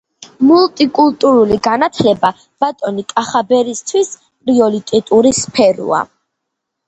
მულტიკულტურული განათლება ბატონი კახაბერისთვის პრიორიტეტული სფეროა.